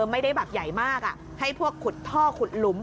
ไม่ได้แบบใหญ่มากให้พวกขุดท่อขุดหลุม